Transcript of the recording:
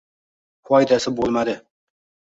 Foydasi bo‘lmadi